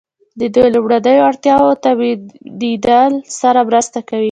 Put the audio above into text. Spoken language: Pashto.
د دوی لومړنیو اړتیاوو تامینیدو سره مرسته کوي.